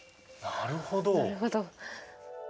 なるほど。